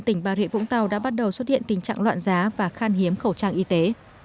tỉnh bà rịa vũng tàu đã bắt đầu xuất hiện tình trạng loạn giá và khan hiếm khẩu trang y tế